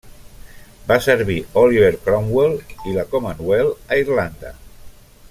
Va servir Oliver Cromwell i la Commonwealth a Irlanda.